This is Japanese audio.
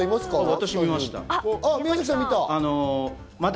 私見ました。